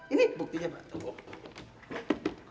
ini buktinya pak